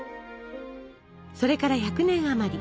それから１００年あまり。